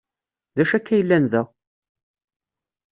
D acu akka yellan da?